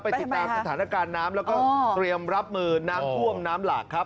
ติดตามสถานการณ์น้ำแล้วก็เตรียมรับมือน้ำท่วมน้ำหลากครับ